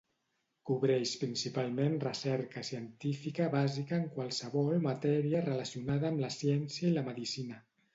Cobreix principalment recerca científica bàsica en qualsevol matèria relacionada amb la ciència i la medicina.